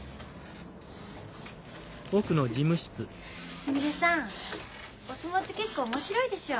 すみれさんお相撲って結構面白いでしょう。